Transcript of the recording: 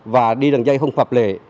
và đi đường dây không phạp lệ